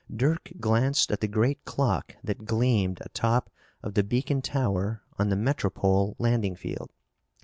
Dirk glanced at the great clock that gleamed atop of the beacon tower on the Metropole Landing Field.